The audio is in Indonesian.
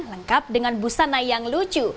lengkap dengan busana yang lucu